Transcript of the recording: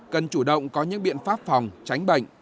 cần chủ động có những biện pháp phòng tránh bệnh